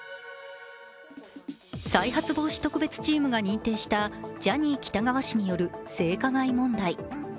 再発防止特別チームが認定したジャニー喜多川氏による性加害問題。